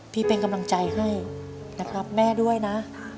เป็นกำลังใจให้นะครับแม่ด้วยนะ